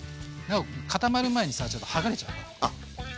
固まる前にさちょっと剥がれちゃうから。